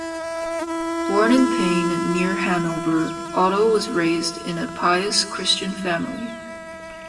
Born in Peine near Hanover, Otto was raised in a pious Christian family.